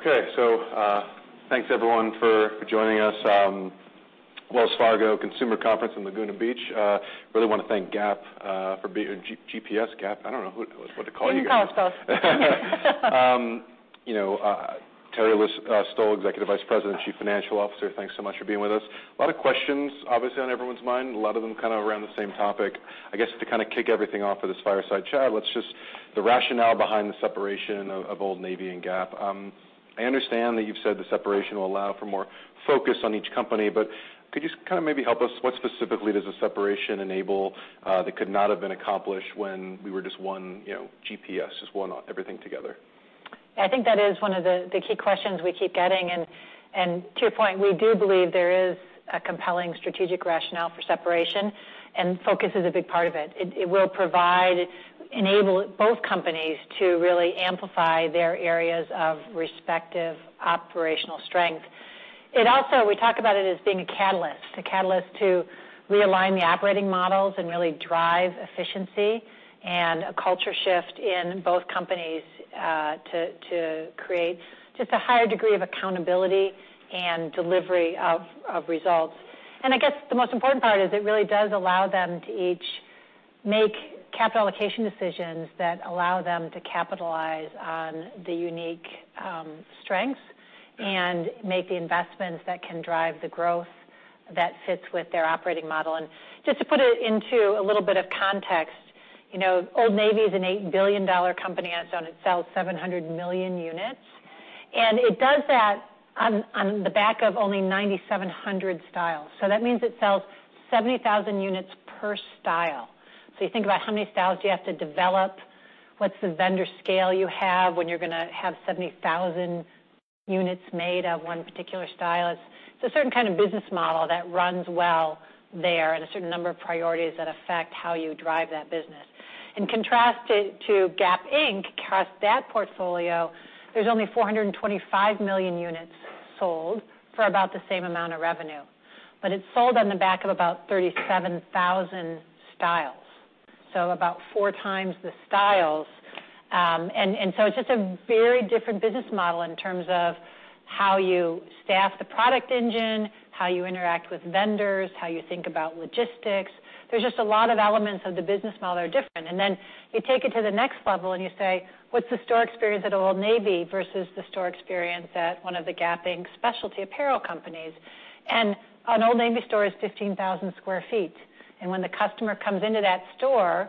Okay. Thanks everyone for joining us. Wells Fargo Consumer Conference in Laguna Beach. Really want to thank GPS, Gap. I don't know what to call you guys. Either. Teri List-Stoll, Executive Vice President and Chief Financial Officer, thanks so much for being with us. A lot of questions, obviously, on everyone's mind, a lot of them around the same topic. I guess to kick everything off for this fireside chat, the rationale behind the separation of Old Navy and Gap. I understand that you've said the separation will allow for more focus on each company, but could you maybe help us? What specifically does the separation enable that could not have been accomplished when we were just one GPS, just one everything together? I think that is one of the key questions we keep getting. To your point, we do believe there is a compelling strategic rationale for separation, and focus is a big part of it. It will enable both companies to really amplify their areas of respective operational strength. It also, we talk about it as being a catalyst. A catalyst to realign the operating models and really drive efficiency and a culture shift in both companies, to create just a higher degree of accountability and delivery of results. I guess the most important part is it really does allow them to each make capital allocation decisions that allow them to capitalize on the unique strengths and make the investments that can drive the growth that fits with their operating model. Just to put it into a little bit of context, Old Navy is an $8 billion company on its own. It sells 700 million units, and it does that on the back of only 9,700 styles. That means it sells 70,000 units per style. You think about how many styles do you have to develop, what's the vendor scale you have when you're going to have 70,000 units made of one particular style. It's a certain kind of business model that runs well there and a certain number of priorities that affect how you drive that business. In contrast to Gap Inc., across that portfolio, there's only 425 million units sold for about the same amount of revenue. It's sold on the back of about 37,000 styles, so about four times the styles. It's just a very different business model in terms of how you staff the product engine, how you interact with vendors, how you think about logistics. There's just a lot of elements of the business model are different. You take it to the next level and you say, what's the store experience at Old Navy versus the store experience at one of the Gap Inc. specialty apparel companies? An Old Navy store is 15,000 sq ft, and when the customer comes into that store,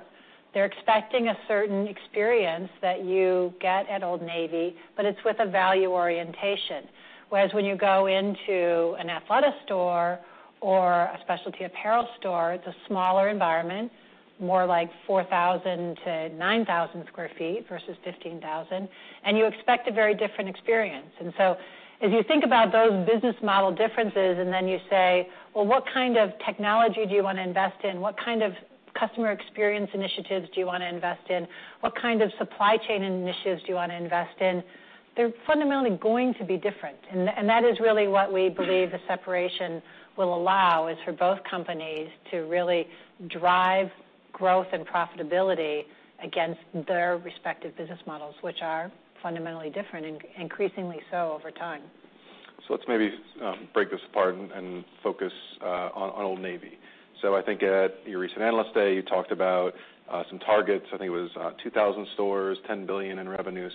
they're expecting a certain experience that you get at Old Navy, but it's with a value orientation. Whereas when you go into an Athleta store or a specialty apparel store, it's a smaller environment, more like 4,000 sq ft-9,000 sq ft versus 15,000 sq ft. You expect a very different experience. As you think about those business model differences and then you say, well, what kind of technology do you want to invest in? What kind of customer experience initiatives do you want to invest in? What kind of supply chain initiatives do you want to invest in? They're fundamentally going to be different. That is really what we believe the separation will allow, is for both companies to really drive growth and profitability against their respective business models, which are fundamentally different and increasingly so over time. Let's maybe break this apart and focus on Old Navy. I think at your recent Analyst Day, you talked about some targets. I think it was 2,000 stores, $10 billion in revenue.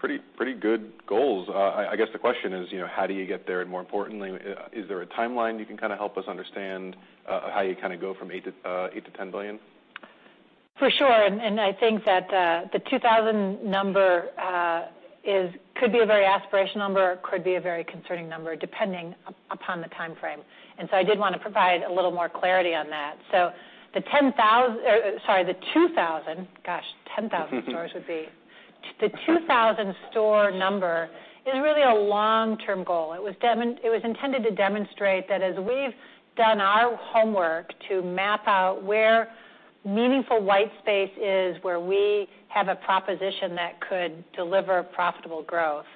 Pretty good goals. I guess the question is: how do you get there? More importantly, is there a timeline you can help us understand how you go from $8 billion-$10 billion? For sure. I think that the 2,000 number could be a very aspirational number, could be a very concerning number, depending upon the time frame. I did want to provide a little more clarity on that. The 2,000 store number is really a long-term goal. It was intended to demonstrate that as we've done our homework to map out where meaningful white space is, where we have a proposition that could deliver profitable growth,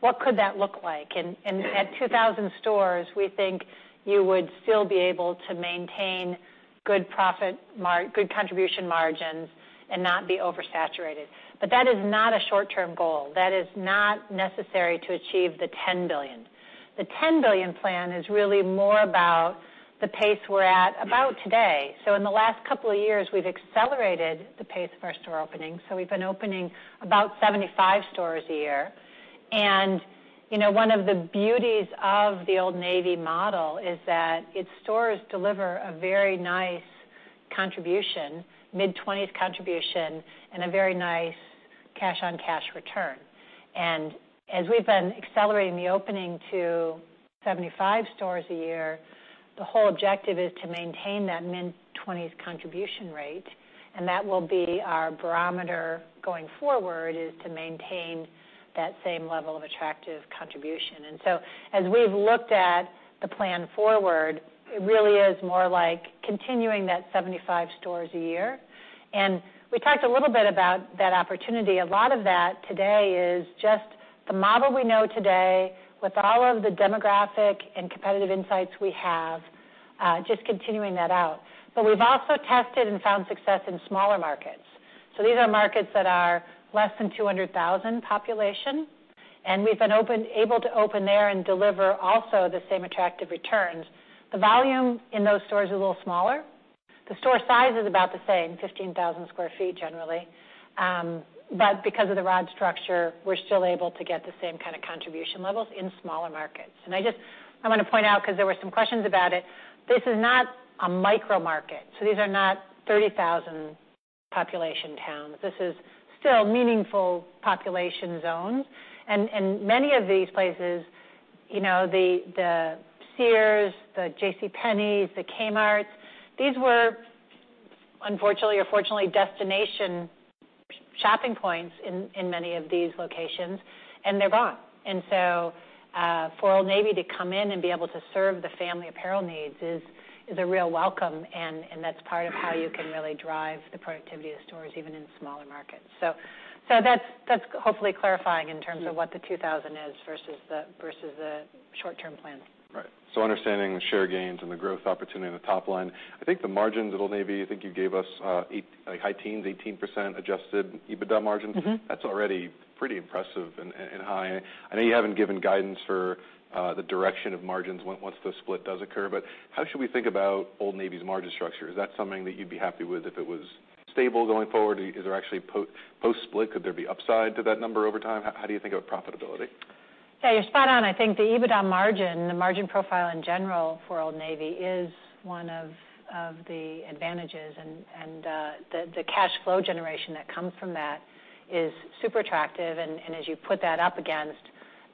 what could that look like? At 2,000 stores, we think you would still be able to maintain good contribution margins and not be oversaturated. That is not a short-term goal. That is not necessary to achieve the $10 billion. The $10 billion plan is really more about the pace we're at today. In the last couple of years, we've accelerated the pace of our store openings. We've been opening about 75 stores a year. One of the beauties of the Old Navy model is that its stores deliver a very nice contribution, mid-20s contribution, and a very nice cash-on-cash return. As we've been accelerating the opening to 75 stores a year, the whole objective is to maintain that mid-20s contribution rate, and that will be our barometer going forward, is to maintain that same level of attractive contribution. As we've looked at the plan forward, it really is more like continuing that 75 stores a year. We talked a little bit about that opportunity. A lot of that today is just the model we know today with all of the demographic and competitive insights we have, just continuing that out. We've also tested and found success in smaller markets. These are markets that are less than 200,000 population, and we've been able to open there and deliver also the same attractive returns. The volume in those stores is a little smaller. The store size is about the same, 15,000 sq ft generally. Because of the rent structure, we're still able to get the same kind of contribution levels in smaller markets. I want to point out, because there were some questions about it, this is not a micro market. These are not 30,000 population towns. This is still meaningful population zones. Many of these places, the Sears, the JCPenney, the Kmart, these were unfortunately or fortunately, destination shopping points in many of these locations, and they're gone. For Old Navy to come in and be able to serve the family apparel needs is a real welcome, and that's part of how you can really drive the productivity of the stores, even in smaller markets. That's hopefully clarifying in terms of what the 2,000 is versus the short-term plans. Right. Understanding the share gains and the growth opportunity on the top line. I think the margins at Old Navy, I think you gave us high teens, 18% adjusted EBITDA margins. That's already pretty impressive and high. I know you haven't given guidance for the direction of margins once the split does occur, but how should we think about Old Navy's margin structure? Is that something that you'd be happy with if it was stable going forward? Is there actually post-split, could there be upside to that number over time? How do you think about profitability? You're spot on. I think the EBITDA margin, the margin profile in general for Old Navy is one of the advantages. The cash flow generation that comes from that is super attractive. As you put that up against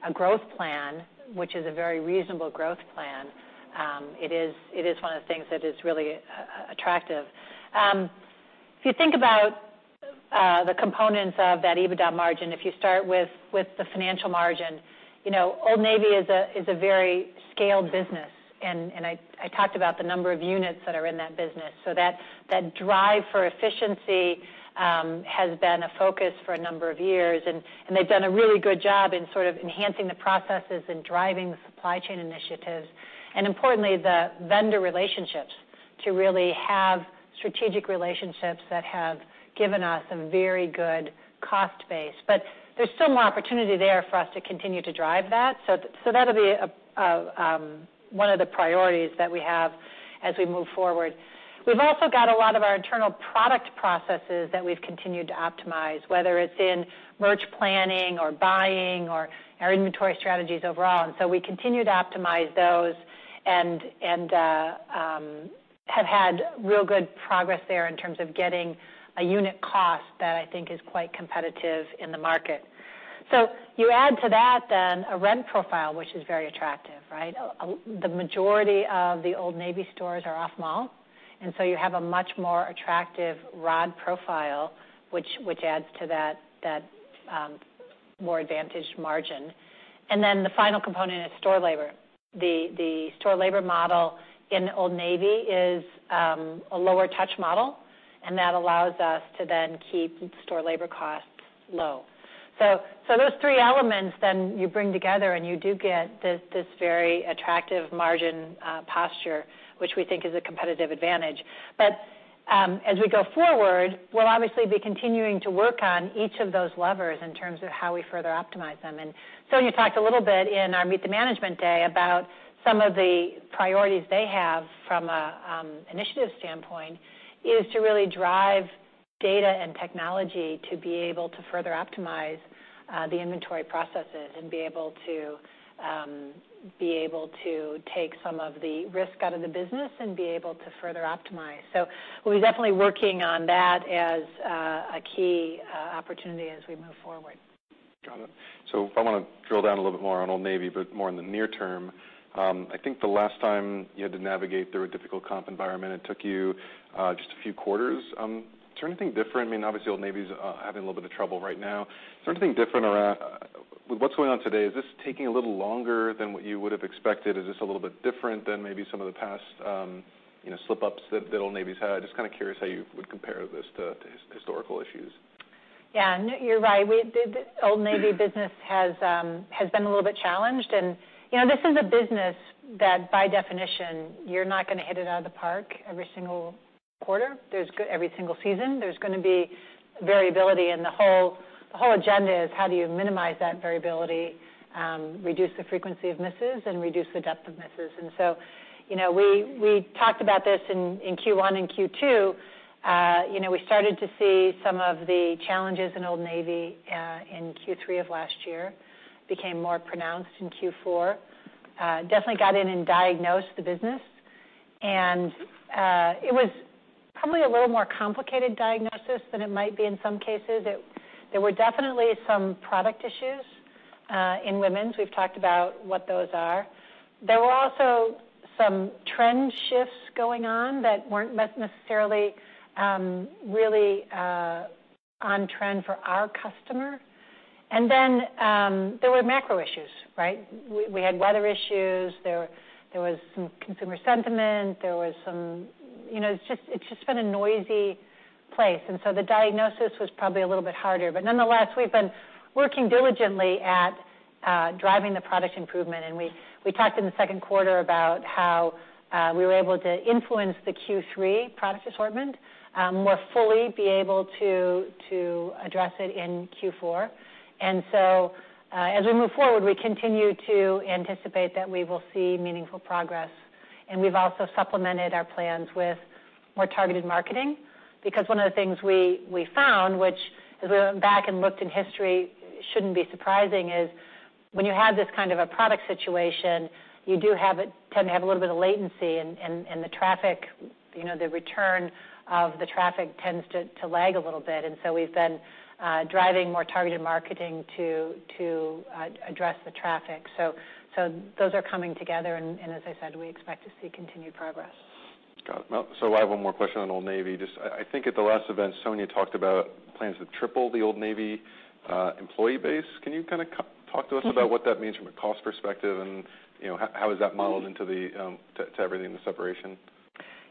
a growth plan, which is a very reasonable growth plan, it is one of the things that is really attractive. If you think about the components of that EBITDA margin, if you start with the financial margin, Old Navy is a very scaled business, and I talked about the number of units that are in that business. That drive for efficiency has been a focus for a number of years, and they've done a really good job in sort of enhancing the processes and driving the supply chain initiatives. Importantly, the vendor relationships to really have strategic relationships that have given us a very good cost base. There's still more opportunity there for us to continue to drive that. That'll be one of the priorities that we have as we move forward. We've also got a lot of our internal product processes that we've continued to optimize, whether it's in merch planning or buying or our inventory strategies overall. We continue to optimize those and have had real good progress there in terms of getting a unit cost that I think is quite competitive in the market. You add to that then a rent profile, which is very attractive, right? The majority of the Old Navy stores are off mall, and so you have a much more attractive rent profile, which adds to that more advantaged margin. Then the final component is store labor. The store labor model in Old Navy is a lower touch model, that allows us to then keep store labor costs low. Those three elements then you bring together, you do get this very attractive margin posture, which we think is a competitive advantage. As we go forward, we'll obviously be continuing to work on each of those levers in terms of how we further optimize them. Sonia talked a little bit in our Meet The Management day about some of the priorities they have from an initiative standpoint, is to really drive data and technology to be able to further optimize the inventory processes and be able to take some of the risk out of the business and be able to further optimize. We'll be definitely working on that as a key opportunity as we move forward. Got it. If I want to drill down a little bit more on Old Navy, but more in the near term. I think the last time you had to navigate through a difficult comp environment, it took you just a few quarters. Is there anything different? Obviously, Old Navy's having a little bit of trouble right now. Is there anything different with what's going on today? Is this taking a little longer than what you would have expected? Is this a little bit different than maybe some of the past slip-ups that Old Navy's had? Just kind of curious how you would compare this to historical issues. Yeah, you're right. The Old Navy business has been a little bit challenged, and this is a business that by definition, you're not going to hit it out of the park every single quarter. Every single season, there's going to be variability, and the whole agenda is how do you minimize that variability, reduce the frequency of misses, and reduce the depth of misses. We talked about this in Q1 and Q2. We started to see some of the challenges in Old Navy in Q3 of last year, became more pronounced in Q4. Definitely got in and diagnosed the business. It was probably a little more complicated diagnosis than it might be in some cases. There were definitely some product issues in women's. We've talked about what those are. There were also some trend shifts going on that weren't necessarily really on trend for our customer. There were macro issues, right? We had weather issues. There was some consumer sentiment. It's just been a noisy place. The diagnosis was probably a little bit harder. Nonetheless, we've been working diligently at driving the product improvement. We talked in the second quarter about how we were able to influence the Q3 product assortment more fully be able to address it in Q4. As we move forward, we continue to anticipate that we will see meaningful progress. We've also supplemented our plans with more targeted marketing, because one of the things we found, which, as we went back and looked in history, shouldn't be surprising, is when you have this kind of a product situation, you do tend to have a little bit of latency and the return of the traffic tends to lag a little bit. We've been driving more targeted marketing to address the traffic. Those are coming together, and as I said, we expect to see continued progress. Got it. I have one more question on Old Navy. Just, I think at the last event, Sonia talked about plans to triple the Old Navy employee base. Can you talk to us about what that means from a cost perspective and how is that modeled into everything in the separation?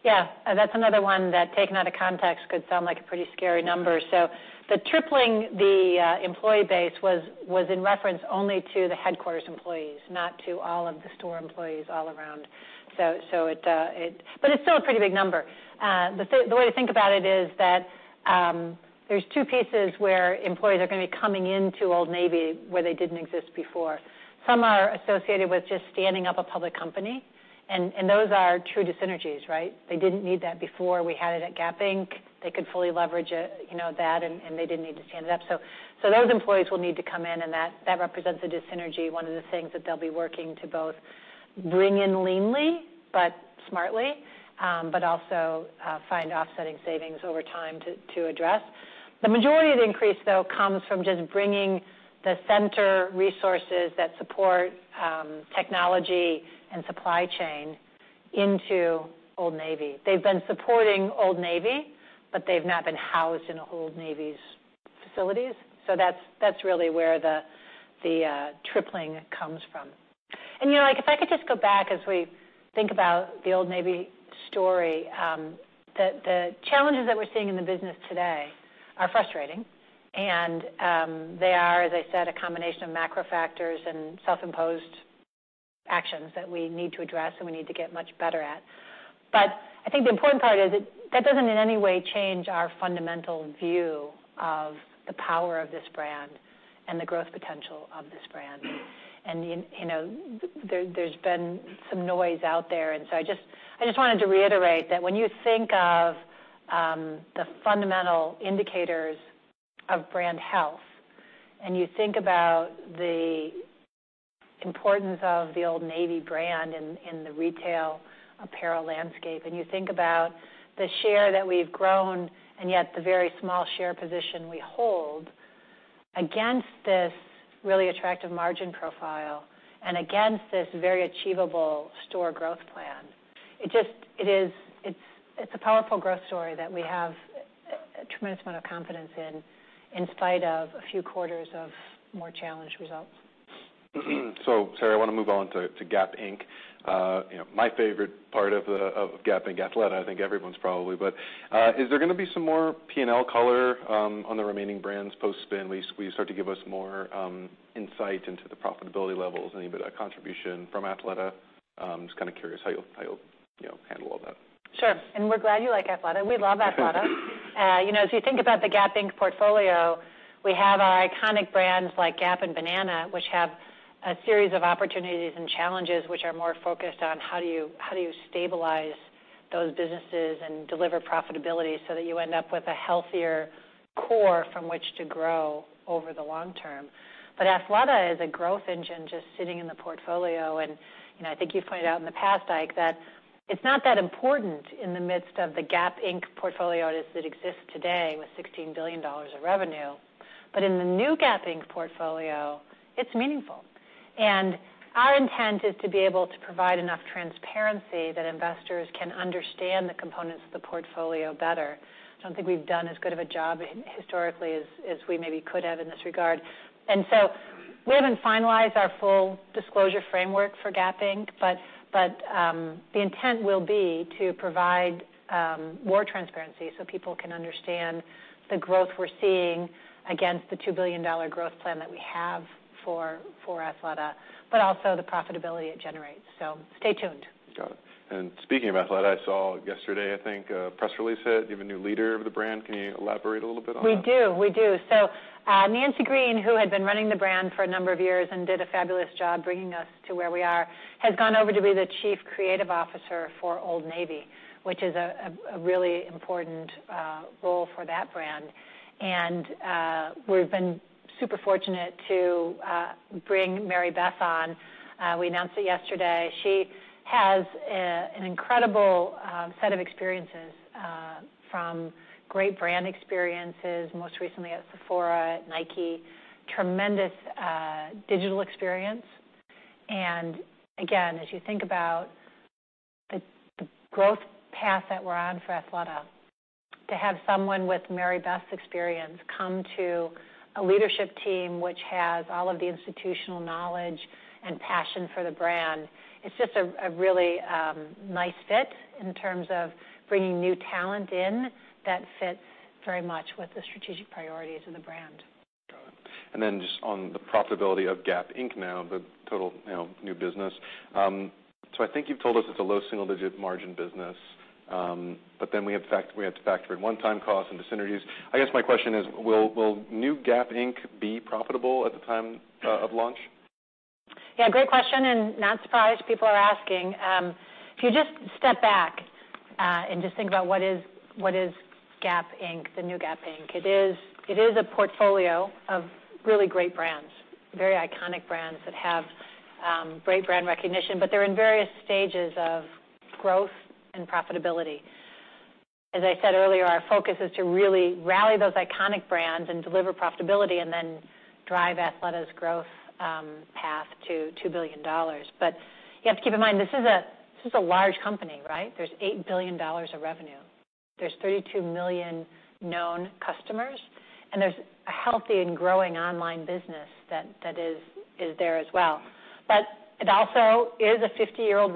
Yeah. That's another one that, taken out of context, could sound like a pretty scary number. The tripling the employee base was in reference only to the headquarters employees, not to all of the store employees all around. It's still a pretty big number. The way to think about it is that there's two pieces where employees are going to be coming into Old Navy where they didn't exist before. Some are associated with just standing up a public company, and those are true dis-synergies. They didn't need that before we had it at Gap Inc. They could fully leverage that, and they didn't need to stand it up. Those employees will need to come in, and that represents a dis-synergy, one of the things that they'll be working to both bring in leanly but smartly, but also find offsetting savings over time to address. The majority of the increase, though, comes from just bringing the center resources that support technology and supply chain into Old Navy. They've been supporting Old Navy, but they've not been housed in Old Navy's facilities. That's really where the tripling comes from. If I could just go back as we think about the Old Navy story, the challenges that we're seeing in the business today are frustrating, and they are, as I said, a combination of macro factors and self-imposed actions that we need to address and we need to get much better at. I think the important part is that doesn't in any way change our fundamental view of the power of this brand and the growth potential of this brand. There's been some noise out there. I just wanted to reiterate that when you think of the fundamental indicators of brand health, and you think about the importance of the Old Navy brand in the retail apparel landscape, and you think about the share that we've grown and yet the very small share position we hold against this really attractive margin profile and against this very achievable store growth plan, it's a powerful growth story that we have a tremendous amount of confidence in spite of a few quarters of more challenged results. Sorry, I want to move on to Gap Inc. My favorite part of Gap Inc, Athleta, I think everyone's probably. Is there going to be some more P&L color on the remaining brands post-spin? Will you start to give us more insight into the profitability levels and a bit of contribution from Athleta? Just kind of curious how you'll handle all that. Sure. We're glad you like Athleta. We love Athleta. As you think about the Gap Inc. portfolio, we have our iconic brands like Gap and Banana, which have a series of opportunities and challenges which are more focused on how do you stabilize those businesses and deliver profitability so that you end up with a healthier core from which to grow over the long term. Athleta is a growth engine just sitting in the portfolio. I think you've pointed out in the past, Ike, that it's not that important in the midst of the Gap Inc. portfolio as it exists today with $16 billion of revenue. In the new Gap Inc. portfolio, it's meaningful. Our intent is to be able to provide enough transparency that investors can understand the components of the portfolio better. I don't think we've done as good of a job historically as we maybe could have in this regard. We haven't finalized our full disclosure framework for Gap Inc. The intent will be to provide more transparency so people can understand the growth we're seeing against the $2 billion growth plan that we have for Athleta. Also the profitability it generates. Stay tuned. Got it. Speaking of Athleta, I saw yesterday, I think, a press release said you have a new leader of the brand. Can you elaborate a little bit on that? We do. Nancy Green, who had been running the brand for a number of years and did a fabulous job bringing us to where we are, has gone over to be the Chief Creative Officer for Old Navy, which is a really important role for that brand. We've been super fortunate to bring Mary Beth on. We announced it yesterday. She has an incredible set of experiences from great brand experiences, most recently at Sephora, Nike, tremendous digital experience. Again, as you think about the growth path that we're on for Athleta, to have someone with Mary Beth's experience come to a leadership team which has all of the institutional knowledge and passion for the brand, it's just a really nice fit in terms of bringing new talent in that fits very much with the strategic priorities of the brand. Just on the profitability of Gap Inc. now, the total new business, I think you've told us it's a low single-digit margin business, but then we have to factor in one-time costs and dis-synergies. I guess my question is: Will new Gap Inc. be profitable at the time of launch? Yeah, great question. Not surprised people are asking. If you just step back and just think about what is Gap Inc., the new Gap Inc., it is a portfolio of really great brands, very iconic brands that have great brand recognition. They're in various stages of growth and profitability. As I said earlier, our focus is to really rally those iconic brands and deliver profitability and then drive Athleta's growth path to $2 billion. You have to keep in mind, this is a large company, right? There's $8 billion of revenue. There's 32 million known customers. There's a healthy and growing online business that is there as well. It also is a 50-year-old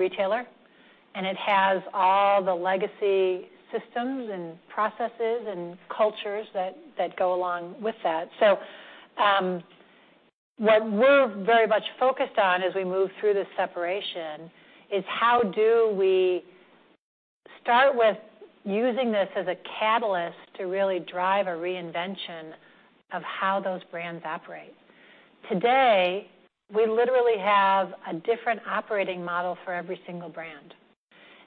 retailer. It has all the legacy systems and processes and cultures that go along with that. What we're very much focused on as we move through this separation is how do we start with using this as a catalyst to really drive a reinvention of how those brands operate. Today, we literally have a different operating model for every single brand.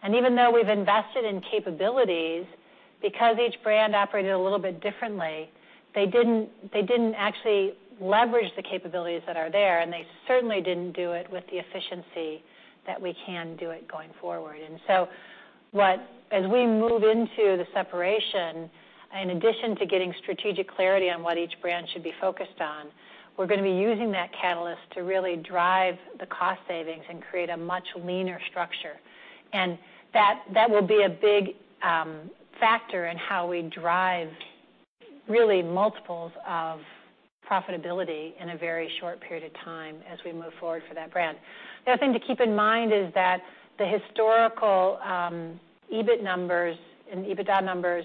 Even though we've invested in capabilities, because each brand operated a little bit differently, they didn't actually leverage the capabilities that are there, and they certainly didn't do it with the efficiency that we can do it going forward. As we move into the separation, in addition to getting strategic clarity on what each brand should be focused on, we're going to be using that catalyst to really drive the cost savings and create a much leaner structure. That will be a big factor in how we drive really multiples of profitability in a very short period of time as we move forward for that brand. The other thing to keep in mind is that the historical EBIT numbers and EBITDA numbers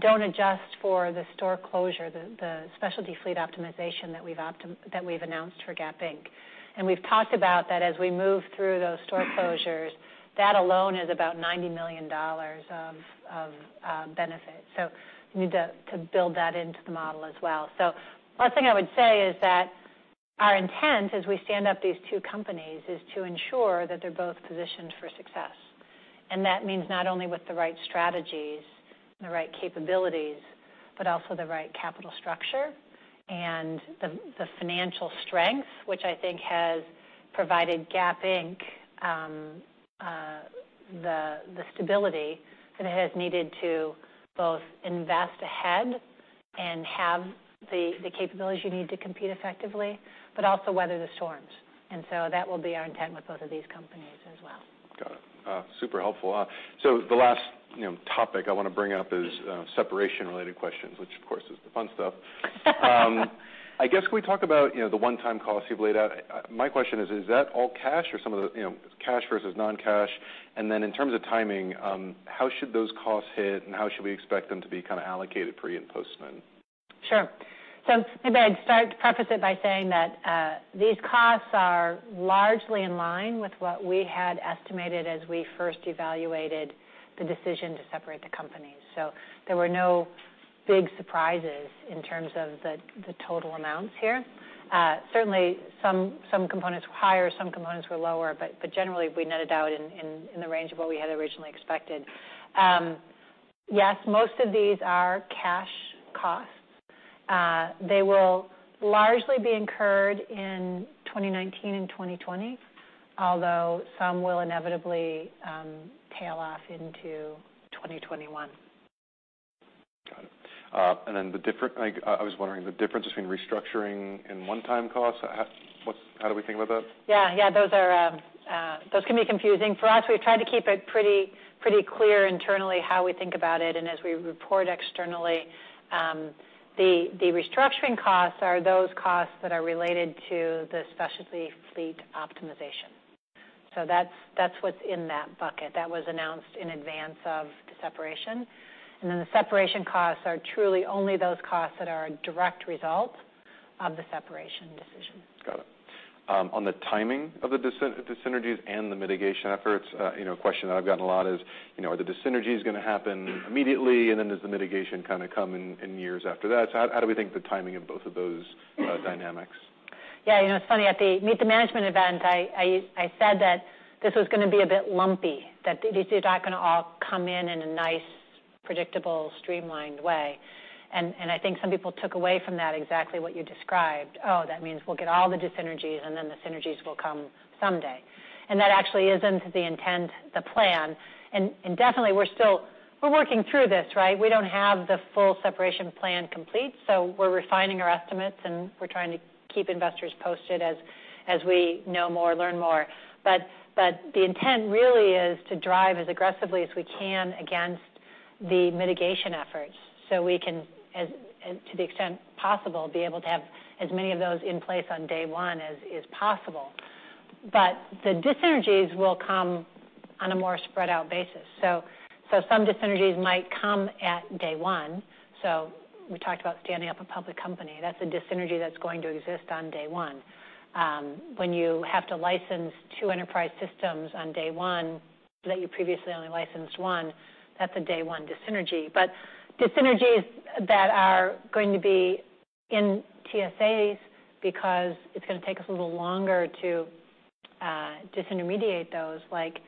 don't adjust for the store closure, the specialty fleet optimization that we've announced for Gap Inc. We've talked about that as we move through those store closures, that alone is about $90 million of benefit. You need to build that into the model as well. One thing I would say is that our intent as we stand up these two companies is to ensure that they're both positioned for success. That means not only with the right strategies and the right capabilities, but also the right capital structure and the financial strength, which I think has provided Gap Inc. The stability that it has needed to both invest ahead and have the capabilities you need to compete effectively, but also weather the storms. That will be our intent with both of these companies as well. Got it. Super helpful. The last topic I want to bring up is separation-related questions, which, of course, is the fun stuff. I guess, can we talk about the one-time costs you've laid out? My question is: Is that all cash or cash versus non-cash? In terms of timing, how should those costs hit and how should we expect them to be kind of allocated pre and post-spin? Sure. Maybe I'd start to preface it by saying that these costs are largely in line with what we had estimated as we first evaluated the decision to separate the companies. There were no big surprises in terms of the total amounts here. Certainly, some components were higher, some components were lower, but generally, we netted out in the range of what we had originally expected. Yes, most of these are cash costs. They will largely be incurred in 2019 and 2020, although some will inevitably tail off into 2021. Got it. I was wondering, the difference between restructuring and one-time costs, how do we think about that? Yeah. Those can be confusing. For us, we've tried to keep it pretty clear internally how we think about it and as we report externally. The restructuring costs are those costs that are related to the specialty fleet optimization. That's what's in that bucket. That was announced in advance of the separation. The separation costs are truly only those costs that are a direct result of the separation decision. Got it. On the timing of the dis-synergies and the mitigation efforts, a question that I've gotten a lot is. Are the dis-synergies going to happen immediately? Does the mitigation kind of come in years after that? How do we think the timing of both of those dynamics? Yeah. It's funny, at the Meet the Management event, I said that this was going to be a bit lumpy, that these are not going to all come in in a nice, predictable, streamlined way. I think some people took away from that exactly what you described. "Oh, that means we'll get all the dis-synergies, and then the synergies will come someday." That actually isn't the intent, the plan. Definitely, we're working through this, right? We don't have the full separation plan complete, so we're refining our estimates, and we're trying to keep investors posted as we know more, learn more. The intent really is to drive as aggressively as we can against the mitigation efforts so we can, to the extent possible, be able to have as many of those in place on day one as is possible. The dis-synergies will come on a more spread out basis. Some dis-synergies might come at day one. We talked about standing up a public company. That's a dis-synergy that's going to exist on day one. When you have to license two enterprise systems on day one that you previously only licensed one, that's a day one dis-synergy. Dis-synergies that are going to be in TSAs because it's going to take us a little longer to disintermediate those, like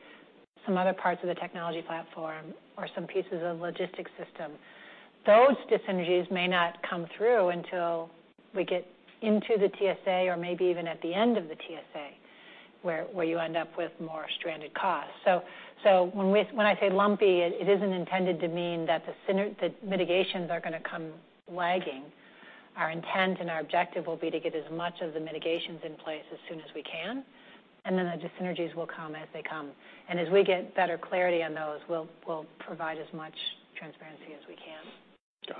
some other parts of the technology platform or some pieces of logistics system. Those dis-synergies may not come through until we get into the TSA or maybe even at the end of the TSA, where you end up with more stranded costs. When I say lumpy, it isn't intended to mean that the mitigations are going to come lagging. Our intent and our objective will be to get as much of the mitigations in place as soon as we can, and then the dis-synergies will come as they come. As we get better clarity on those, we'll provide as much transparency as we can. Got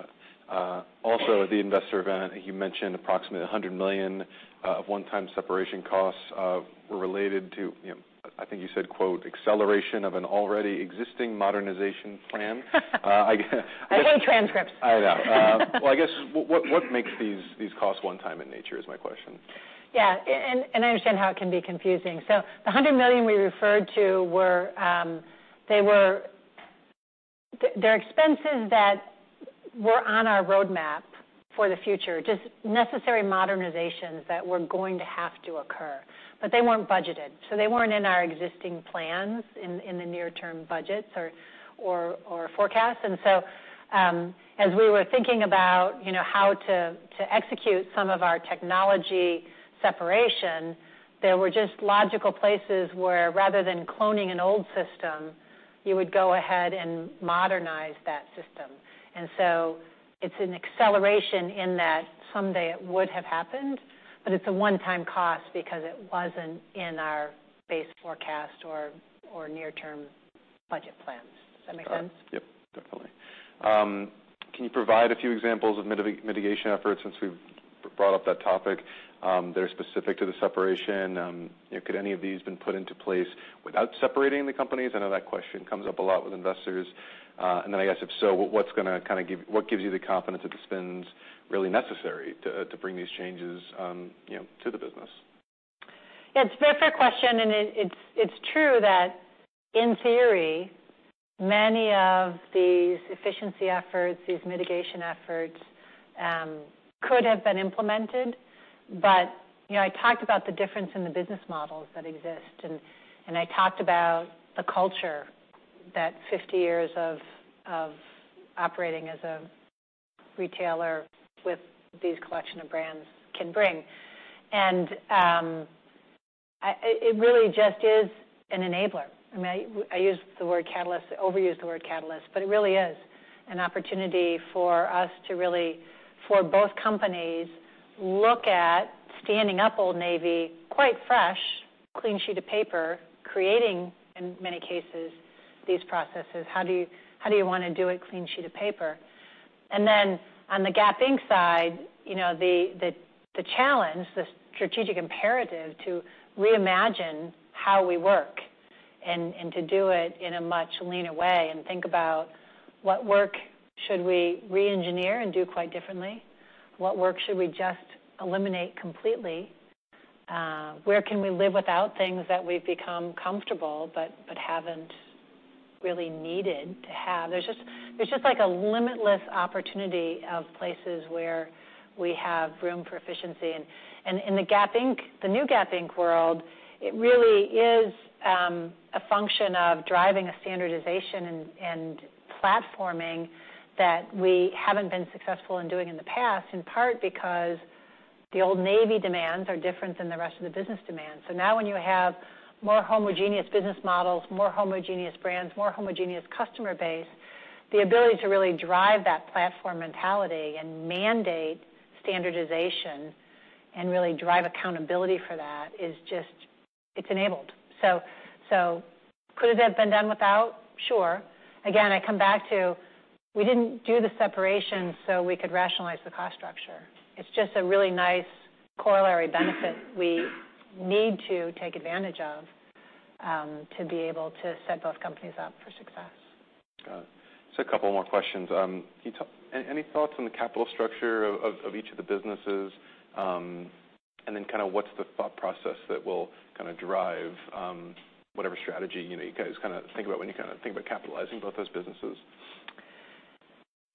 it. Also at the investor event, you mentioned approximately $100 million of one-time separation costs were related to, I think you said, quote, "acceleration of an already existing modernization plan. I hate transcripts. I know. Well, I guess what makes these costs one time in nature is my question. Yeah. I understand how it can be confusing. The $100 million we referred to, they're expenses that were on our roadmap for the future, just necessary modernizations that were going to have to occur. They weren't budgeted, so they weren't in our existing plans in the near term budgets or forecasts. As we were thinking about how to execute some of our technology separation, there were just logical places where rather than cloning an old system, you would go ahead and modernize that system. It's an acceleration in that someday it would have happened, but it's a one-time cost because it wasn't in our base forecast or near-term budget plans. Does that make sense? Yep, definitely. Can you provide a few examples of mitigation efforts since we've brought up that topic that are specific to the separation? Could any of these been put into place without separating the companies? I know that question comes up a lot with investors. I guess if so, what gives you the confidence that the spend's really necessary to bring these changes to the business? Yeah. It's a fair question, and it's true that in theory, many of these efficiency efforts, these mitigation efforts, could have been implemented. I talked about the difference in the business models that exist, and I talked about the culture that 50 years of operating as a retailer with these collection of brands can bring. It really just is an enabler. I overuse the word catalyst, but it really is an opportunity for both companies look at standing up Old Navy, quite fresh, clean sheet of paper, creating, in many cases, these processes. How do you want to do a clean sheet of paper? Gap Inc. side, the challenge, the strategic imperative to reimagine how we work and to do it in a much leaner way and think about what work should we re-engineer and do quite differently, what work should we just eliminate completely, where can we live without things that we've become comfortable but haven't really needed to have. There's just like a limitless opportunity of places where we have room for efficiency. In the new Gap Inc. world, it really is a function of driving a standardization and platforming that we haven't been successful in doing in the past, in part because the Old Navy demands are different than the rest of the business demands. Now when you have more homogeneous business models, more homogeneous brands, more homogeneous customer base, the ability to really drive that platform mentality and mandate standardization and really drive accountability for that, it's enabled. Could it have been done without? Sure. Again, I come back to, we didn't do the separation so we could rationalize the cost structure. It's just a really nice corollary benefit we need to take advantage of to be able to set both companies up for success. Got it. Just a couple more questions. Any thoughts on the capital structure of each of the businesses? What's the thought process that will drive whatever strategy you guys think about when you think about capitalizing both those businesses?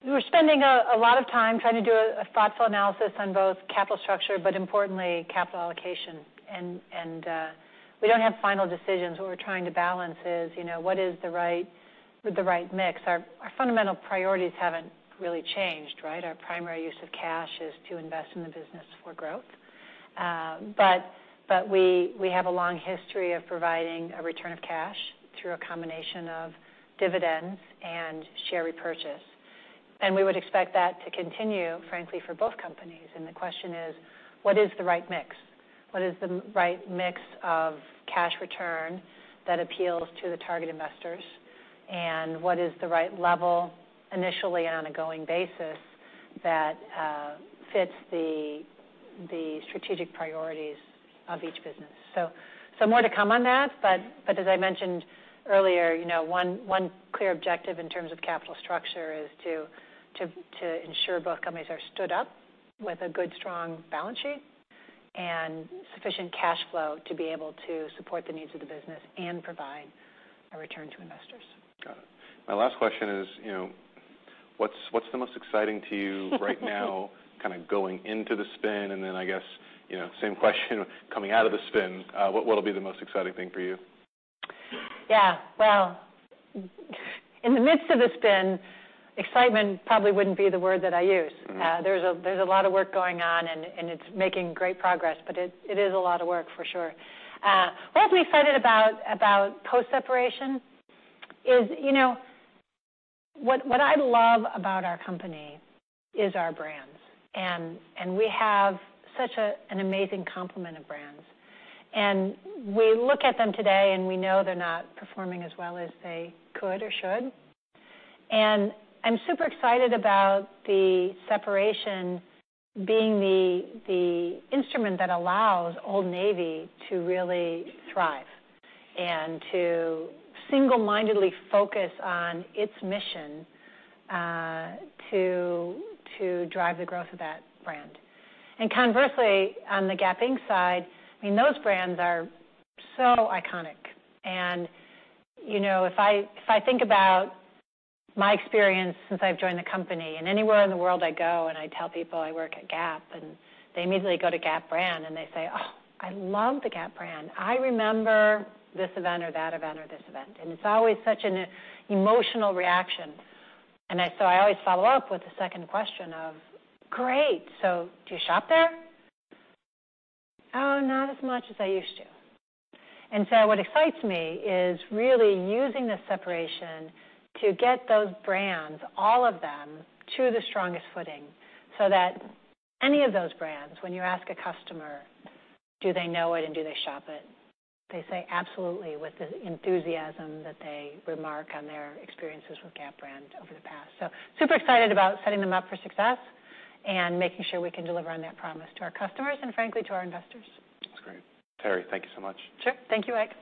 We're spending a lot of time trying to do a thoughtful analysis on both capital structure, but importantly, capital allocation. We don't have final decisions. What we're trying to balance is, what is the right mix? Our fundamental priorities haven't really changed, right? Our primary use of cash is to invest in the business for growth. We have a long history of providing a return of cash through a combination of dividends and share repurchase. We would expect that to continue, frankly, for both companies. The question is, what is the right mix? What is the right mix of cash return that appeals to the target investors, and what is the right level initially on a going basis that fits the strategic priorities of each business. More to come on that, but as I mentioned earlier, one clear objective in terms of capital structure is to ensure both companies are stood up with a good, strong balance sheet and sufficient cash flow to be able to support the needs of the business and provide a return to investors. Got it. My last question is, what's the most exciting to you right now, going into the spin, and then, I guess, same question coming out of the spin. What will be the most exciting thing for you? Yeah. Well, in the midst of the spin, excitement probably wouldn't be the word that I use. There's a lot of work going on, and it's making great progress, but it is a lot of work, for sure. What I'll be excited about post-separation is, what I love about our company is our brands. We have such an amazing complement of brands. We look at them today, and we know they're not performing as well as they could or should. I'm super excited about the separation being the instrument that allows Old Navy to really thrive and to single-mindedly focus on its mission to drive the growth of that brand. Conversely, on the Gap Inc. side, those brands are so iconic. If I think about my experience since I've joined the company, anywhere in the world I go and I tell people I work at Gap, they immediately go to Gap brand, they say, "Oh, I love the Gap brand. I remember this event or that event or this event." It's always such an emotional reaction. I always follow up with a second question of, "Great, so do you shop there?" "Oh, not as much as I used to." What excites me is really using this separation to get those brands, all of them, to the strongest footing, so that any of those brands, when you ask a customer do they know it and do they shop it, they say absolutely with the enthusiasm that they remark on their experiences with Gap brand over the past. Super excited about setting them up for success and making sure we can deliver on that promise to our customers and, frankly, to our investors. That's great. Teri, thank you so much. Sure. Thank you, Ike.